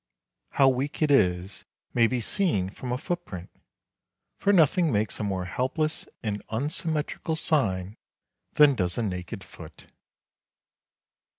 How weak it is may be seen from a footprint: for nothing makes a more helpless and unsymmetrical sign than does a naked foot.